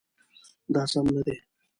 دا سم نه دی